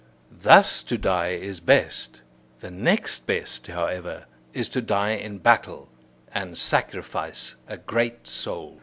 Thus to die is best; the next best, however, is to die in battle, and sacrifice a great soul.